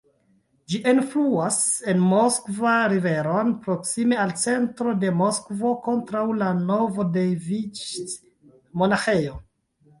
Ĝi enfluas en Moskva-riveron proksime al centro de Moskvo, kontraŭ la Novodeviĉij-monaĥejo.